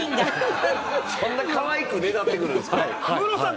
そんなかわいいく、ねだってくるんですか？